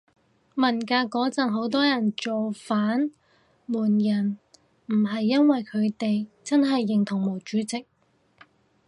文革嗰陣好多人造反鬥人唔係因爲佢哋真係認同毛主席